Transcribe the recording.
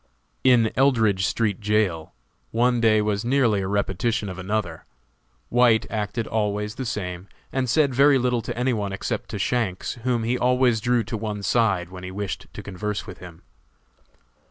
In Eldridge street jail, one day was nearly a repetition of another. White acted always the same, and said very little to any one except to Shanks, whom he always drew to one side when he wished to converse with him.